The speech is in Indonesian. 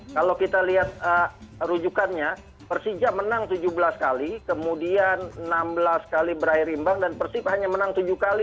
kalau kita lihat rujukannya persija menang tujuh belas kali kemudian enam belas kali berakhir imbang dan persib hanya menang tujuh kali